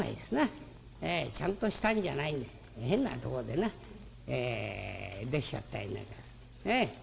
ちゃんとしたんじゃないんで変なとこでなできちゃったりなんかする。